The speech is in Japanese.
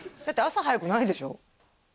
だって朝早くないでしょ？